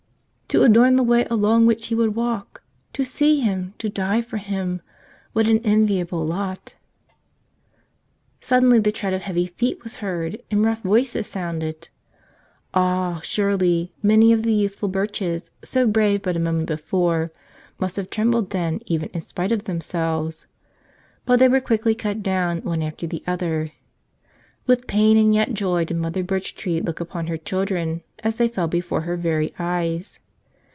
To adorn the way along which He would walk; to see Him; to die for Him; — what an enviable lot! Suddenly the tread of heavy feet was heard, and rough voices sounded. Ah, surely, many of the youth¬ ful Birches, so brave but a moment before, must have trembled then, even in spite of themselves. Blit they were quickly cut down, one after the other. With pain, and yet joy, did Mother Birchtree look upon her chil¬ dren as they fell before her very eyes.